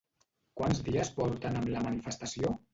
Quants dies porten amb la manifestació?